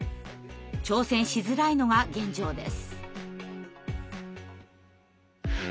挑戦しづらいのが現状です。